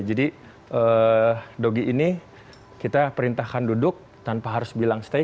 jadi dogi ini kita perintahkan duduk tanpa harus bilang stay